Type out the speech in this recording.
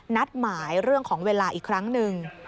นัดหมายเรื่องของเวลาอีกครั้งหนึ่ง